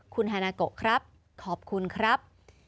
คุณฮานาโกะครับขอบคุณครับ